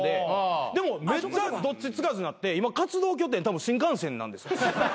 でもうめっちゃどっちつかずになって今活動拠点新幹線なんですよ。